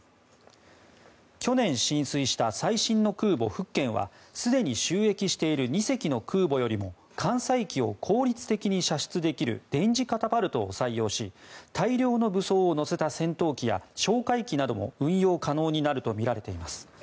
去年、進水した最新の空母「福建」はすでに就役している２隻の空母よりも艦載機を効率的に射出できる電磁カタパルトを採用し大量の武装を載せた戦闘機や哨戒機などの運用可能になるとみられています。